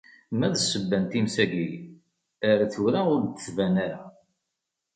Ma d ssebba n times-agi, ar tura ur d-tban ara.